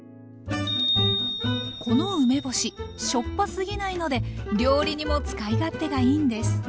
この梅干ししょっぱすぎないので料理にも使い勝手がいいんです。